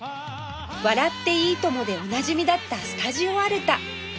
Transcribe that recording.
『笑っていいとも！』でおなじみだったスタジオアルタ